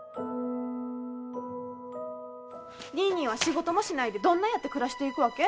ニーニーは仕事もしないでどんなやって暮らしていくわけ？